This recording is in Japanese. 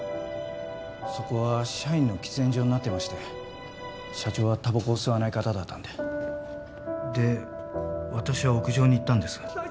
そこは社員の喫煙所になってまして社長はタバコを吸わない方だったんでで私は屋上に行ったんです